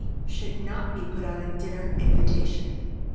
p. should not be put on a dinner invitation.